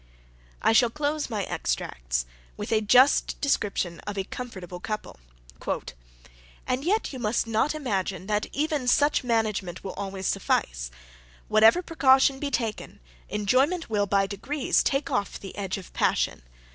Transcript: I shall close my extracts with a just description of a comfortable couple. "And yet you must not imagine, that even such management will always suffice. Whatever precaution be taken, enjoyment will, by degrees, take off the edge of passion.